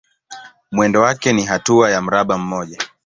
Mwendo wake ni hatua ya mraba mmoja.